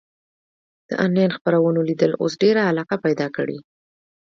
د انلاین خپرونو لیدل اوس ډېره علاقه پیدا کړې.